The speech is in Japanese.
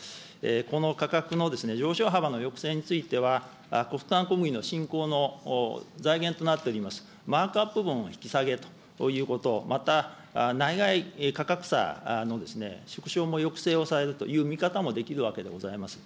この価格の上昇幅の抑制については、国産小麦の振興の財源となっております、を引き下げということ、また、内外価格差の縮小も抑制をされるという見方もできるわけでございます。